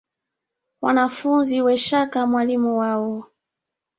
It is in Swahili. Wanafunzi wencheka mwalimu wao